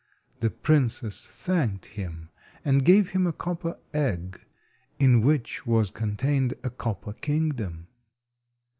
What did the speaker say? The princess thanked him, and gave him a copper egg, in which was contained a copper kingdom.